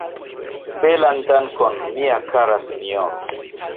Belan dankon, mia kara sinjoro!